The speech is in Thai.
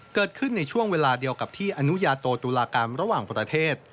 ในช่วงเวลาเดียวกับที่อนุญาโตตุลากรรมระหว่างประเทศ